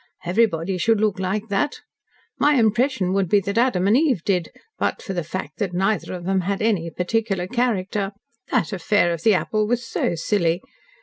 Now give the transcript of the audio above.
Everybody should look like that. My impression would be that Adam and Eve did, but for the fact that neither of them had any particular character. That affair of the apple was so silly.